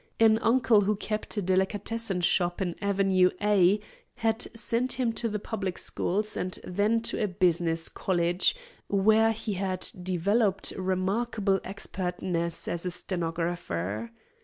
An uncle who kept a delicatessen shop in Avenue A had sent him to the public schools and then to a "business college," where he had developed remarkable expertness as a stenographer.